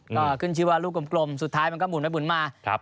ก็ขึ้นชื่อว่าลูกกลมสุดท้ายมันก็หมุนไปหมุนมา